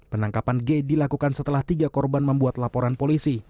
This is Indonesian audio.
penangkapan g dilakukan setelah tiga korban membuat laporan polisi